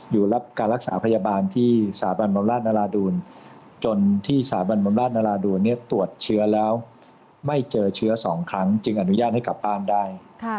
รับการรักษาพยาบาลที่สถาบันบำราชนราดูลจนที่สถาบันบำราชนราดูลตรวจเชื้อแล้วไม่เจอเชื้อ๒ครั้งจึงอนุญาตให้กลับบ้านได้